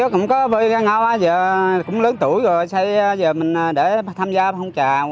kinh hoa cũng lớn tuổi rồi xây giờ mình để tham gia phong trào